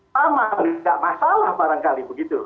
sama tidak masalah barangkali begitu